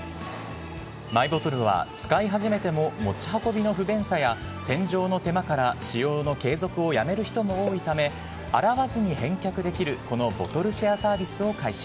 マイボトルは、使い始めても持ち運びの不便さや洗浄の手間から使用の継続をやめる人も多いため、多いため、洗わずに返却できるこのボトルシェアサービスを開始。